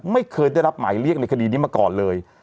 ไม่เคยได้รับหมายเรียกในคดีนี้มาก่อนเลย